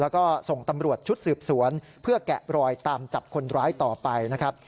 แกะรอยตามจับคนร้ายต่อไปนะครับ